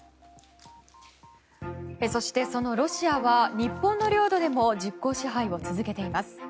そして、そのロシアは日本の領土でも実効支配を続けています。